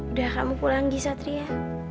udah kamu pulang gi satria